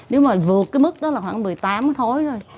nếu mà vượt cái mức đó là khoảng một mươi tám khối thôi